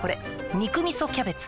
「肉みそキャベツ」